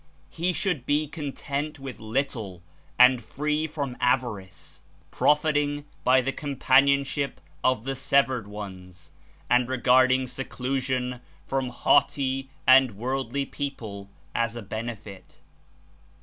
He should be content with little and free from avarice; profiting by the companionship of the sev ered ones and regarding seclusion from haughty and wordly people as a benefit.